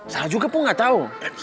salah juga pun gak tau